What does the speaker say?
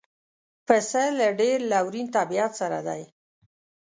پسه له ډېر لورین طبیعت سره دی.